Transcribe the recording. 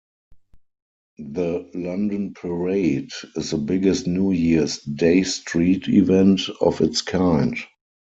The London parade is the biggest New Year's Day street event of its kind.